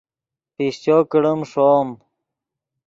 پیشچو کڑیم ݰوم